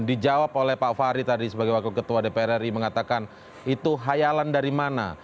dijawab oleh pak fahri tadi sebagai wakil ketua dpr ri mengatakan itu hayalan dari mana